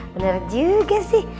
bener juga sih